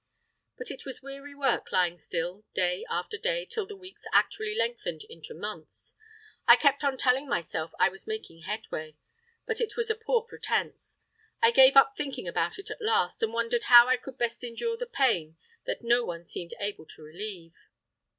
But it is weary work lying still day after day till the weeks actually lengthen into months. I kept on telling myself I was making headway, but it was a poor pretence. I gave up thinking about it at last, and wondered how I could best endure the pain that no one seemed able to relieve.